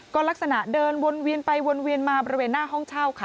ก็ลักษณะเดินวนเวียนไปวนเวียนมาบริเวณหน้าห้องเช่าค่ะ